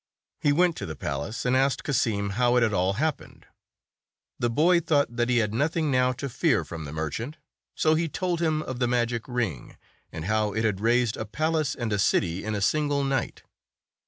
He went to the palace,, and asked Cassim how it had all happened. The boy thought that he had nothing now to fear from the merchant, so he told him of the magic ring, and how it had raised a palace and a city in a single night.